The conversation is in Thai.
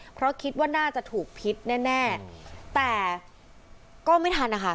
เพราะคิดว่าน่าจะถูกพิษแน่แน่แต่ก็ไม่ทันนะคะ